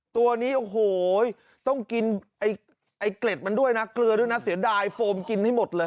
ตัวนี้โอ้โหต้องกินไอ้เกล็ดมันด้วยนะเกลือด้วยนะเสียดายโฟมกินให้หมดเลย